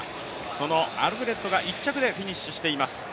そのアルフレッドが１着でフィニッシュしています。